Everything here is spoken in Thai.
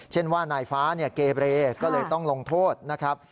เช่นว่านายฟ้าเนี่ยเกเรก็เลยต้องลงโทษนะครับ